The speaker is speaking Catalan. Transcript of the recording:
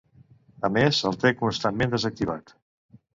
A més, el té constantment desactivat.